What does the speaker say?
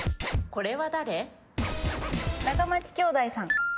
これは誰？